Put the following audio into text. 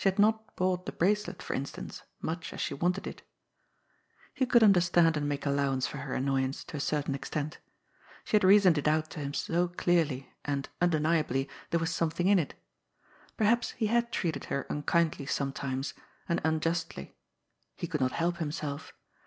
She had not bought the bracelet, for instance, much as she wanted it. He could understand and make allowance for her an noyance to a certain extent. She had reasoned it out to him so clearly, and, undeniably, there was something in it. Perhaps he had treated her unkindly sometimes, and un justly. He could not help himself.